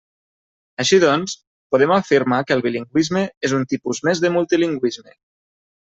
Així doncs, podem afirmar que el bilingüisme és un tipus més de multilingüisme.